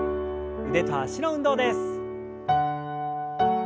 腕と脚の運動です。